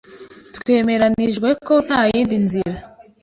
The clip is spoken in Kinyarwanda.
Twemeranijwe ko ntayindi nzira.